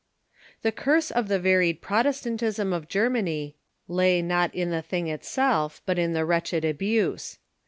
The curse of the varied Protestantism of Germany ]ay not in the thing itself, but in the wretched abuse.